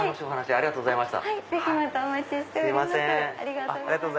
ありがとうございます。